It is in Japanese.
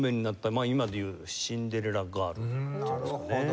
まあ今でいうシンデレラガールというんですかね。